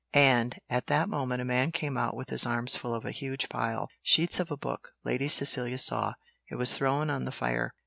And at that moment a man came out with his arms full of a huge pile sheets of a book, Lady Cecilia saw it was thrown on the fire.